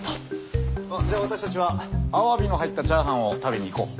じゃあ私たちはアワビの入ったチャーハンを食べに行こう。